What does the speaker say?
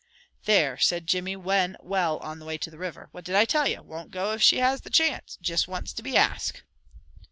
"There!" said Jimmy, when well on the way to the river. "What did I tell you? Won't go if she has the chance! Jist wants to be ASKED."